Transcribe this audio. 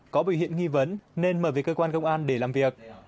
có biểu hiện nghi vấn nên mời về cơ quan công an để làm việc